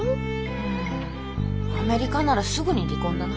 ふんアメリカならすぐに離婚だな。